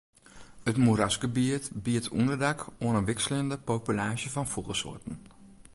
It moerasgebiet biedt ûnderdak oan in wikseljende populaasje fan fûgelsoarten.